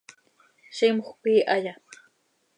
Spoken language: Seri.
¿Zímjöc iihaya?